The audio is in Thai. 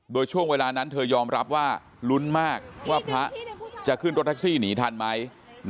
โดยช่วงเวลานั้นเธอยอมรับว่าลุ้นมากว่าพระจะขึ้นรถแท็กซี่หนีทันไหม